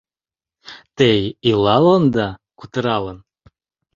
Те илалында кутыралын?